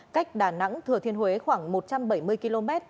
cách đà nẵng thừa thiên huế khoảng một trăm bảy mươi km